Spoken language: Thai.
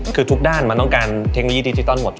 คือทุกด้านมันต้องการเทคโนโลยีดิจิตอลหมด